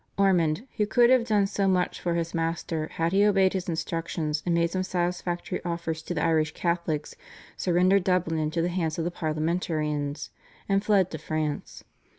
Ormond, who could have done so much for his master had he obeyed his instructions and made some satisfactory offers to the Irish Catholics, surrendered Dublin into the hands of the Parliamentarians, and fled to France.